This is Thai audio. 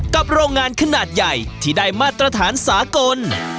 โรงงานขนาดใหญ่ที่ได้มาตรฐานสากล